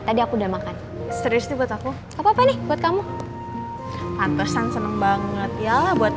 tadi aku udah makan serius dibutuhkan apa nih buat kamu lantusan seneng banget iyalah buat